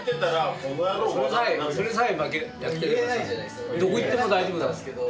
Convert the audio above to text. それさえやってればさどこ行っても大丈夫だから。